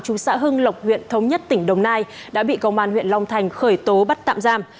chú xã hưng lộc huyện thống nhất tỉnh đồng nai đã bị công an huyện long thành khởi tố bắt tạm giam